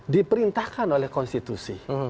diperintahkan oleh konstitusi